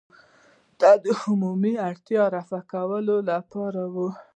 دا د عمومي اړتیا د رفع کولو لپاره وي.